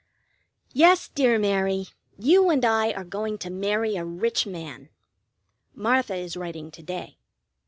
Yes, dear Mary, you and I are going to marry a rich man. (Martha is writing to day.)